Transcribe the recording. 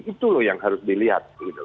itu yang harus dilihat